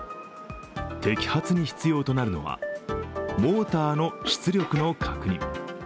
摘発に必要となるのはモーターの出力の確認。